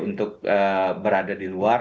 untuk berada di luar